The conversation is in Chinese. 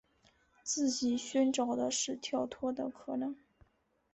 自己寻找的是跳脱的可能